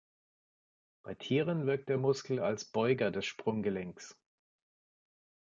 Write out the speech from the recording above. Bei Tieren wirkt der Muskel als Beuger des Sprunggelenks.